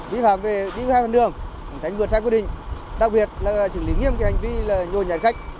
vi phạm về địa phận đường thánh vượt xe quyết định đặc biệt là xử lý nghiêm hành vi nhuôi nhà khách